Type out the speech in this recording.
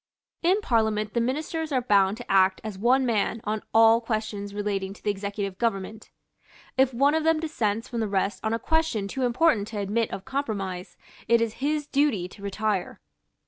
In Parliament the Ministers are bound to act as one man on all questions relating to the executive government. If one of them dissents from the rest on a question too important to admit of compromise, it is his duty to retire.